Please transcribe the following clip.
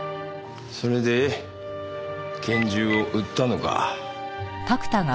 それで拳銃を売ったのか。